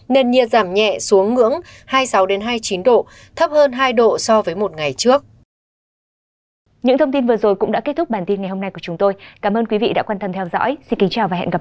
nền nhiệt giảm nhẹ xuống ngưỡng hai mươi sáu hai mươi chín độ thấp hơn hai độ so với một ngày trước